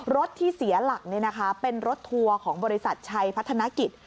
รถที่เสียหลักเป็นรถทัวร์ของบริษัทชัยพัฒนกิจ